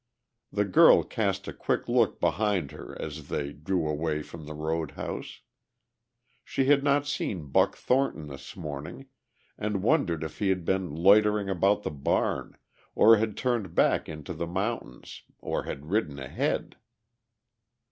The girl cast a quick look behind her as they drew away from the road house; she had not seen Buck Thornton this morning and wondered if he had been loitering about the barn or had turned back into the mountains or had ridden ahead.